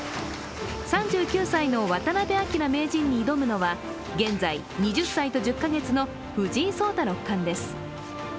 ３９歳の渡辺明名人に挑むのは現在２０歳と１０か月の藤井聡太六冠です。